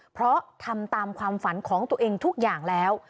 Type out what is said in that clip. เพราะทำตามความฝันของตัวเองทุกอย่างแล้ว